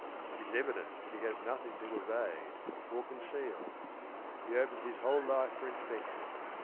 It is evident that he has nothing to evade or conceal. He opens his whole life for inspection.